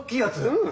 うん！